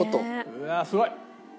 うわーすごい！